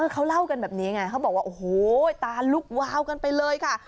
เขาเล่ากันแบบนี้ไงเขาบอกว่าโอ้โหตาลุกวาวกันไปเลยค่ะ